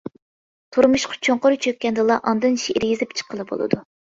تۇرمۇشقا چوڭقۇر چۆككەندىلا، ئاندىن شېئىر يېزىپ چىققىلى بولىدۇ.